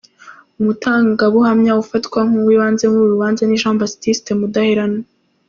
Umutangabuhamya ufatwa nk'uw'ibanze muri uru rubanza ni Jean Baptiste Mudaheranwa.